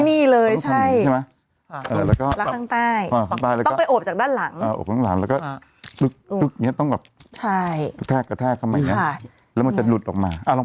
นี่นี่เลยใช่ใช่แหละแล้วก็แล้วก็ข้างใต้